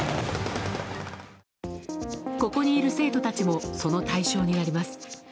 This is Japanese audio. ここにいる生徒たちもその対象になります。